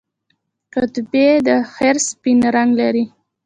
قطبي خرس سپین رنګ لري